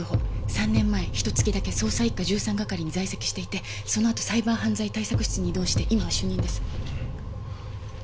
３年前ひと月だけ捜査一課１３係に在籍していてそのあとサイバー犯罪対策室に異動して今は主任です。